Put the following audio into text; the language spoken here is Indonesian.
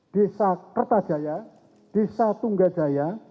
desa kertajaya desa tunggajaya